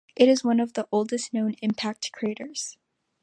It is one of the oldest known impact craters.